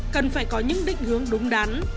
cần phải có những định hướng đúng đắn